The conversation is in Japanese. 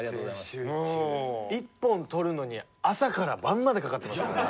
１本撮るのに朝から晩までかかってますからね。